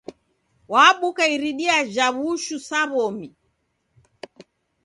Wabuka iridia ja w'ushu sa w'omi.